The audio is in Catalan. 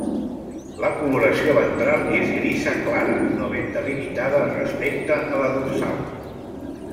La coloració ventral és grisa clara, no ben delimitada respecte a la dorsal.